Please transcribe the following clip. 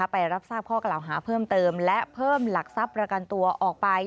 ไปรับทราบข้อกล่าวหาเพิ่มเติมและเพิ่มหลักทรัพย์ประกันตัวออกไป